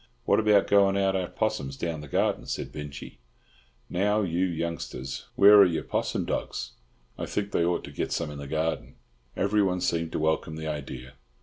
"What about going out after 'possums down the garden?" said Binjie. "Now, you youngsters, where are your 'possum dogs? I think they ought to get some in the garden." Everyone seemed to welcome the idea.